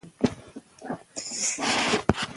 خبره په دقت واوره.